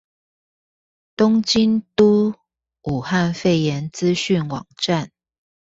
東京都武漢肺炎資訊網站